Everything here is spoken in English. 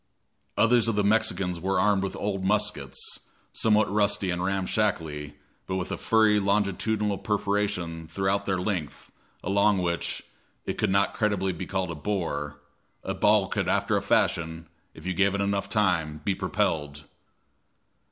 Others of the Mexicans were armed with old muskets, somewhat rusty and ramshackly, but with a furry longitudinal perforation throughout their length, along which it could not creditably be called a bore a ball could after a fashion, if you gave it time enough, be propelled.